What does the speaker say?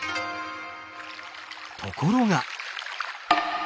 ところが！